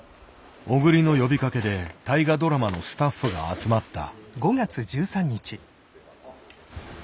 小栗の呼びかけで大河ドラマのスタッフが集まった。